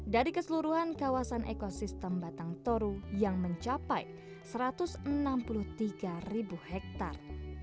dari keseluruhan kawasan ekosistem batang toru yang mencapai satu ratus enam puluh tiga ribu hektare